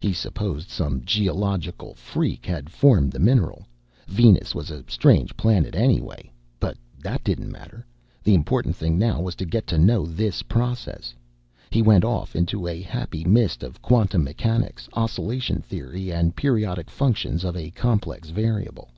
He supposed some geological freak had formed the mineral. Venus was a strange planet anyway. But that didn't matter. The important thing now was to get to know this process. He went off into a happy mist of quantum mechanics, oscillation theory, and periodic functions of a complex variable.